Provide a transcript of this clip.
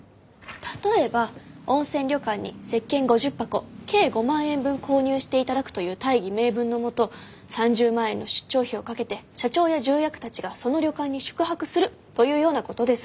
例えば温泉旅館に石鹸５０箱計５万円分購入して頂くという大義名分のもと３０万円の出張費をかけて社長や重役たちがその旅館に宿泊するというようなことです。